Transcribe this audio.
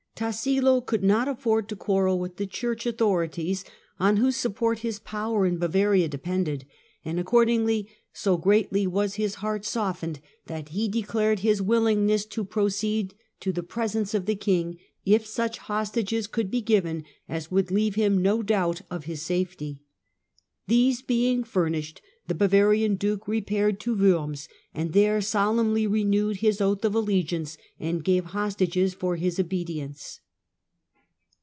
Tassilo could not afford to quarrel with the Church 164 THE DAWN OF MEDIAEVAL EUROPE authorities, on whose support his power in Bavaria depended, and accordingly "so greatly was his heart softened that he declared his willingness to proceed to the presence of the king, if such hostages could be given as would leave him no doubt of his safety ". These being furnished, the Bavarian duke repaired to Worms, and there solemnly renewed his oath of allegi ance and gave hostages for his obedience.